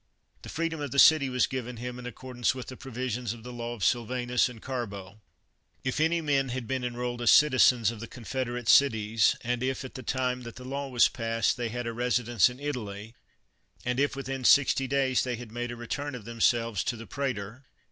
The freedom of the city was given him in accordance with the provisions of the law of Silvanus and Carbo: If any men had been enrolled as citizens of the confederate cities, and if, at the time that the law was passed, they had a residence in Italy, and if within sixty days they had made a return of themselves to the pretor."